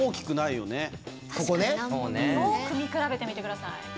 よく見比べてみてください。